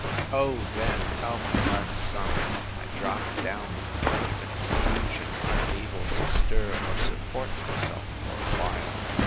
O then how my heart sunk!—I dropt down with grief and confusion, unable to stir or support myself, for a while.